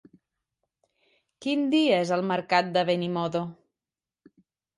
Quin dia és el mercat de Benimodo?